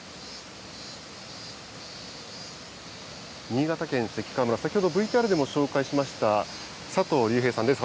新潟県関川村、先ほど、ＶＴＲでも紹介しました佐藤隆平さんです。